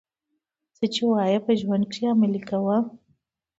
څه چي وايې په ژوند کښي ئې عملي کوه.